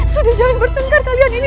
sudah jangan bertengkar kalian ini